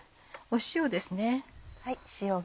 塩ですね。